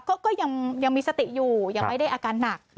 ก็ยังมีสติอยู่ยังไม่ได้อาการหนัก